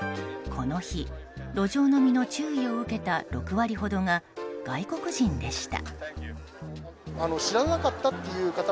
この日路上飲みの注意を受けた６割ほどが外国人でした。